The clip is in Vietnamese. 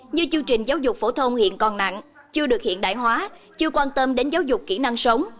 như chương trình giáo dục phổ thông hiện còn nặng chưa được hiện đại hóa chưa quan tâm đến giáo dục kỹ năng sống